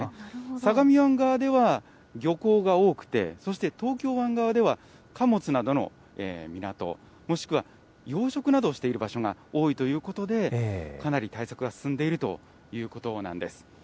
相模湾側では漁港が多くて、そして東京湾側では貨物などの港、もしくは養殖などをしている場所が多いということで、かなり対策は進んでいるということなんです。